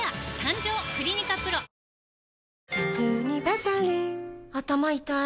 頭痛にバファリン頭痛い